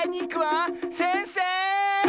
せんせい！